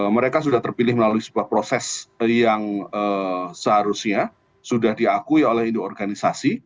mereka sudah terpilih melalui sebuah proses yang seharusnya sudah diakui oleh induk organisasi